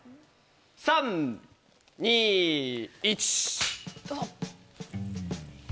３・２・１。